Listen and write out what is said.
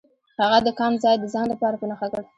هغه د کان ځای د ځان لپاره په نښه کړ.